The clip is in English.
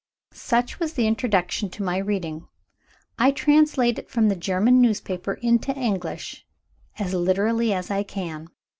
Such was the introduction to my reading. I translate it from the German newspaper into English as literally as I can.